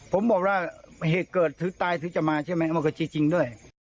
ผมบอกว่าเหตุเกิดถึงตายถึงจะมาใช่ไหมเอามาเกิดจริงด้วย